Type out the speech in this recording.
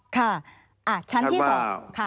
ค่ะอ่ะชั้นที่สอง